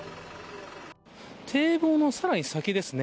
堤防のさらに先ですね。